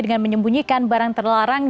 dengan menyembunyikan barang terlarang